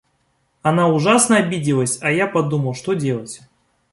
Она ужасно обиделась, а я подумал: что делать?